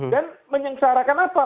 dan menyengsarakan apa